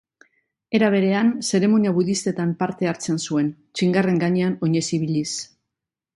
Era berean, zeremonia budistetan parte hartzen zuen, txingarren gainean oinez ibiliz.